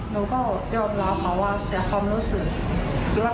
หนูก็ยอมรับค่ะว่าเสียความรู้สึก